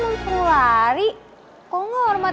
mana sih mereka